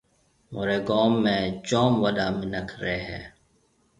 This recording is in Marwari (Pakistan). مهوريَ گوم جوم وڏا مِنک رهيَ هيَ۔